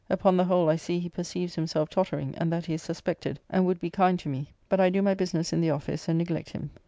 Upon the whole I see he perceives himself tottering, and that he is suspected, and would be kind to me, but I do my business in the office and neglect him.